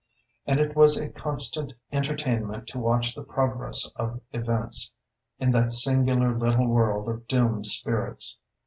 And it was a constant entertainment to watch the progress of events in that singular little world of doomed spirits.